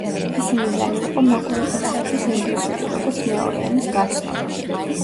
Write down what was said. მისი მიზანი იყო მაყურებლისათვის ინგლისური, როგორც მეორე ენის გაცნობა.